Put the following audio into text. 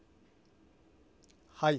はい。